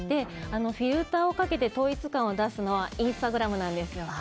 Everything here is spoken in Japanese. フィルターをかけて統一感を出すのはインスタグラムなんですよ。